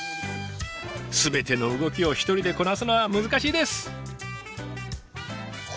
全ての動きを一人でこなすのは難しいです！